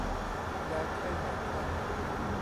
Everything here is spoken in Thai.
แล้วใช่ไหมคะ